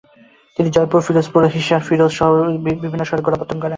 তিনি জয়পুর, ফিরোজপুর এবং হিসার-ফিরোজ সহ বিভিন্ন শহরের গোড়াপত্তন করেন।